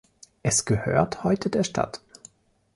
Es gehört heute der Stadt.